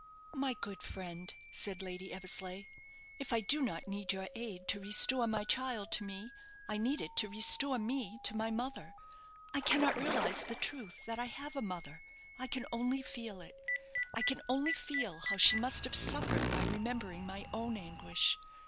"My good friend," said Lady Eversleigh, "if I do not need your aid to restore my child to me, I need it to restore me to my mother. I cannot realize the truth that I have a mother, I can only feel it. I can only feel how she must have suffered by remembering my own anguish.